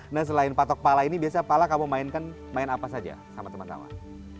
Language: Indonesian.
nah selain patok pala ini biasanya pala kamu mainkan main apa saja sama teman teman